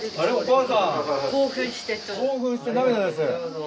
興奮して涙出て。